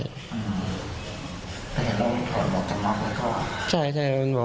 แต่เห็นรองจำคาดหนาวดีกว่าก็